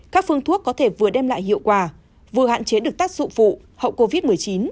các phương thuốc có thể vừa đem lại hiệu quả vừa hạn chế được tác dụng phụ hậu covid một mươi chín